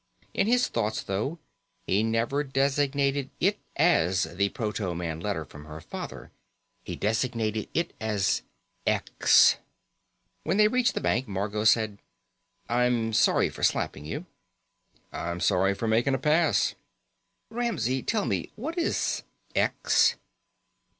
In his thoughts, though, he never designated it as the proto man letter from her father. He designated it as X. When they reached the bank, Margot said: "I'm sorry for slapping you." "I'm sorry for making a pass." "Ramsey, tell me, what is X?"